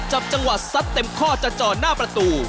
จับจังหวะซัดเต็มข้อจะจอดหน้าประตู